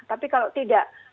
tapi kalau tidak